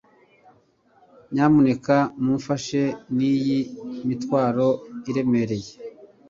nyamuneka mumfashe niyi mitwaro iremereye